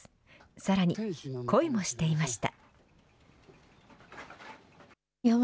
さらに、恋もしていました。